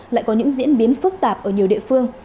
lại có những diễn biến phức tạp ở nhiều địa phương